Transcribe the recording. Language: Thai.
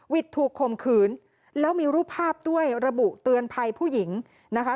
ถูกข่มขืนแล้วมีรูปภาพด้วยระบุเตือนภัยผู้หญิงนะคะ